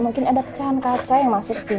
mungkin ada pecahan kaca yang masuk sini